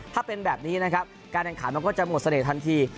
ถ้าเป็นแบบนี้นะครับการแข่งขันมันก็จะหมดเสน่ห์ทันที